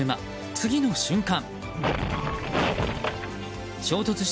次の瞬間！